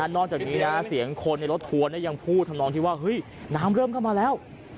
นอกจากนี้นะเสียงคนในรถทัวร์ยังพูดทำนองที่ว่าเฮ้ยน้ำเริ่มเข้ามาแล้ว